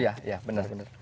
iya iya benar benar